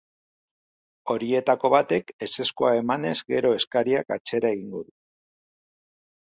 Horietako batek ezezkoa emanez gero eskariak atzera egingo du.